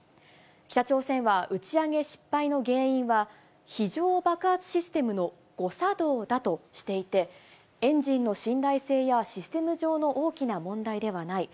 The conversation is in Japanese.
北朝鮮は打ち上げ失敗の原因は、非常爆発システムの誤作動だとしていて、エンジンの信頼性やシステム上の大きな問題ではない。